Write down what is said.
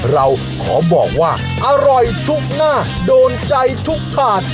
เราขอบอกว่าอร่อยทุกหน้าโดนใจทุกถาด